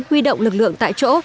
huy động lực lượng tại chỗ